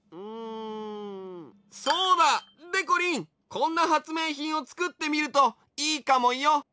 こんなはつめいひんをつくってみるといいかもよ？